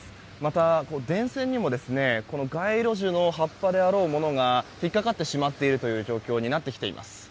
また、電線にも街路樹の葉っぱであろうものが引っかかってしまっている状況になってきています。